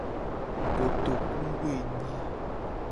Kotokuwoenyi.